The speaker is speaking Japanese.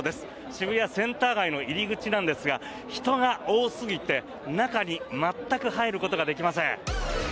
渋谷センター街の入り口なんですが、人が多すぎて中に全く入ることができません。